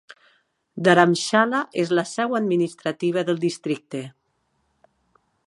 Dharamshala és la seu administrativa del districte.